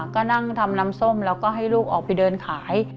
ก็นั่งทำน้ำส้มแล้วก็ให้ลูกออกไปเดินขาย